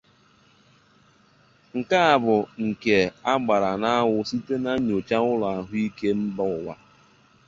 Nke a bụ nke a gbara n'anwụ site na nchọcha ụlọ ahụike mba ụwa